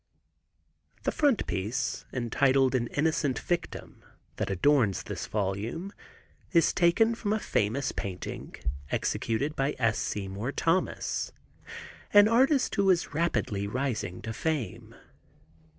The frontispiece, entitled "An Innocent Victim," that adorns this volume is taken from a famous painting executed by S. Seymour Thomas, an artist who is rapidly rising to fame.